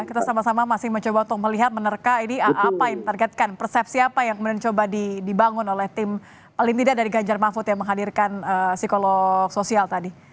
kita sama sama masih mencoba untuk melihat menerka ini apa yang ditargetkan persepsi apa yang kemudian coba dibangun oleh tim paling tidak dari ganjar mahfud yang menghadirkan psikolog sosial tadi